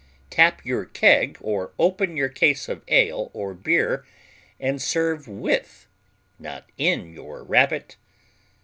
Tap your keg or open your case of ale or beer and serve with, not in your Rabbit."